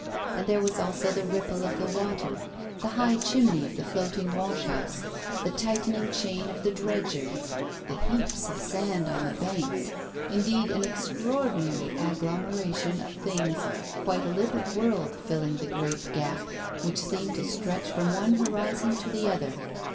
And there was also the ripple of the water, the high chimney of the floating washhouse, the tightened chain of the dredger, the heaps of sand on the banks, indeed, an extraordinary agglomeration of things, quite a little world filling the great gap which seemed to stretch from one horizon to the other.